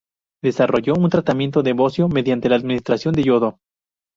Desarrolló un tratamiento del bocio, mediante la administración de yodo.